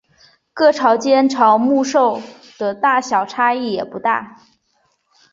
各朝间镇墓兽的大小差异也不大。